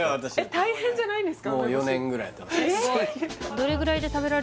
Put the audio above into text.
大変じゃないんですか？